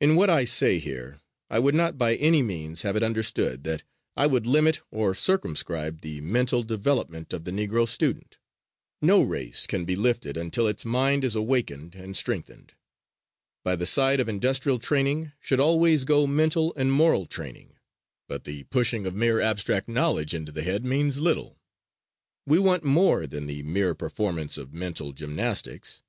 In what I say here I would not by any means have it understood that I would limit or circumscribe the mental development of the Negro student. No race can be lifted until its mind is awakened and strengthened. By the side of industrial training should always go mental and moral training, but the pushing of mere abstract knowledge into the head means little. We want more than the mere performance of mental gymnastics.